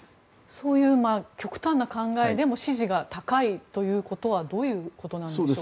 そういう極端な考えでも支持が高いということはどういうことなんでしょうか。